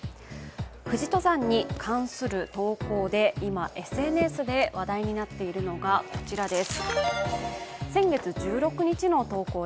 富士登山に関する投稿で今ＳＮＳで話題になっているのがこちらです。